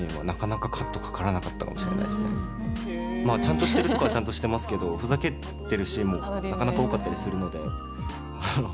ちゃんとしているところはちゃんとしていますけどふざけてるシーンもなかなか多かったりするので。